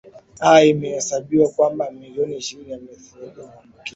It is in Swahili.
a imehesabika kwamba milioni ishirini yamesaidia kuambukiza